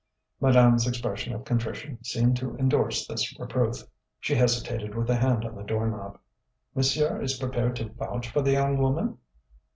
Madame's expression of contrition seemed to endorse this reproof. She hesitated with a hand on the doorknob. "Monsieur is prepared to vouch for the young woman?"